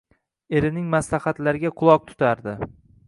Erining maslahatlariga quloq tutardi